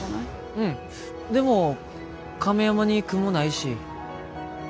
うんでも亀山に雲ないし。